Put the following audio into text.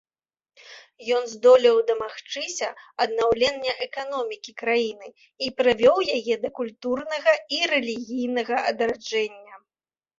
Ён здолеў дамагчыся аднаўлення эканомікі краіны і прывёў яе да культурнага і рэлігійнага адраджэння.